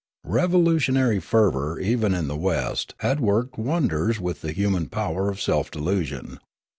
Revolutionar}^ fervour even in the West had worked wonders with the human power of self delusion.